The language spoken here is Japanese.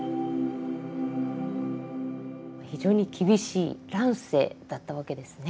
非常に厳しい乱世だったわけですね。